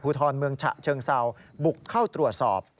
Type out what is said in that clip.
ทรเมืองฉะเชิงเซาบุกเข้าตรวจสอบ